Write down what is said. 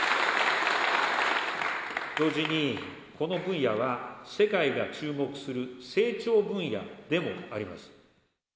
同時にこの分野は、世界が注目する成長分野でもあります。